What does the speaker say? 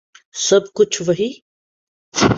سَب کُچھ وہی